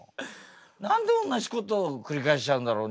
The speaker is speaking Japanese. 何で同じことを繰り返しちゃうんだろう。